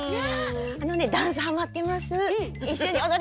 あのねダンスハマってます。